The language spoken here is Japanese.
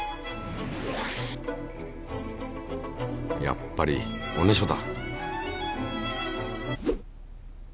やっぱりおねしょだ。